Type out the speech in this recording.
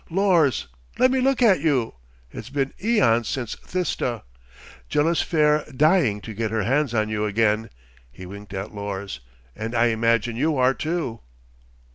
"Lors! Let me look at you! It's been eons since Thista! Jela's fair dying to get her hands on you again." He winked at Lors. "And I imagine you are, too."